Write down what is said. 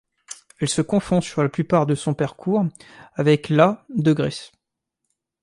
Elle se confond sur la plupart de son parcours avec la de Grèce.